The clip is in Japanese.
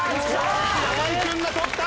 山井君が取った！